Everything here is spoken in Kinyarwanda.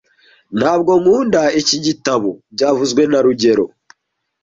Ntabwo nkunda iki gitabo byavuzwe na rugero